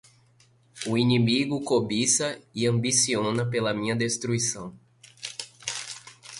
O inimigo cobiça e ambiciona pela minha destruição